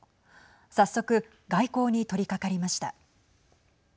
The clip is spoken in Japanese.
早速、外交に取りかかりました。